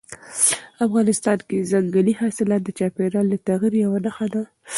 افغانستان کې ځنګلي حاصلات د چاپېریال د تغیر یوه نښه ده.